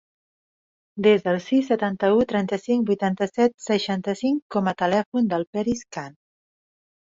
Desa el sis, setanta-u, trenta-cinc, vuitanta-set, seixanta-cinc com a telèfon del Peris Khan.